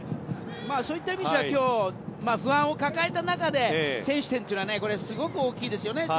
そういった意味じゃ、今日不安を抱えた中での先取点はすごく大きいですよね